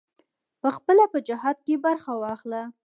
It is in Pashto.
پخپله په جهاد کې برخه واخله.